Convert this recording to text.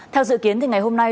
theo dự kiến thì ngày hôm nay